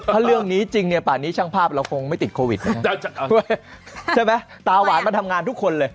ถ้าเรื่องนี้จริงเนี่ยป่านนี้ช่างภาพเราคงไม่ติดโควิดใช่ไหมตาหวานมาทำงานทุกคนเลย